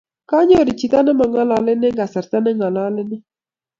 Kanyoru chito ne ma ng'alanei kasarta ne ng'alanei